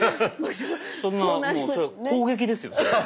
そんなもうそれは攻撃ですよね。